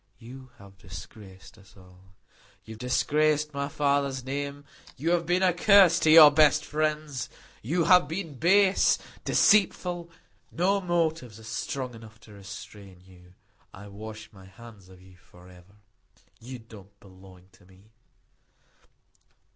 "You have disgraced us all. You have disgraced my father's name. You have been a curse to your best friends. You have been base, deceitful; no motives are strong enough to restrain you. I wash my hands of you forever. You don't belong to me."